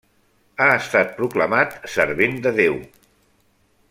Ha estat proclamat Servent de Déu.